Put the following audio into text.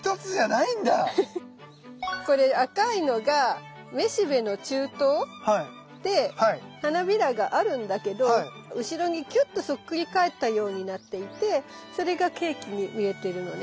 これ赤いのがめしべの柱頭で花びらがあるんだけど後ろにキュッとそっくり返ったようになっていてそれがケーキに見えてるのね。